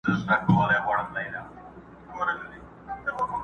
لا لرمه څو خبري اورېدو ته که څوک تم سي.!